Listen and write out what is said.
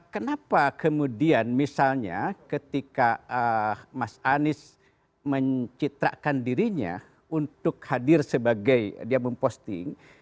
kenapa kemudian misalnya ketika mas anies mencitrakan dirinya untuk hadir sebagai dia memposting